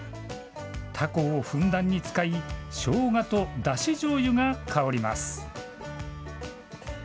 たこをふんだんに使いしょうがとだしじょうゆが香ります。